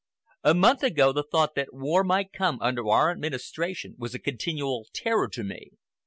A month ago, the thought that war might come under our administration was a continual terror to me.